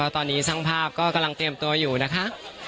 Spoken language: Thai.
ตอนนี้ช่างภาพก็กำลังเตรียมตัวอยู่นะคะ